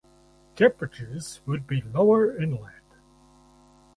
Temperatures would be lower inland.